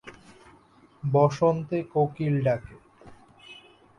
বসন্তে কোকিল ডাকে।